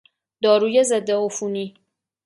داروی ضد عفونی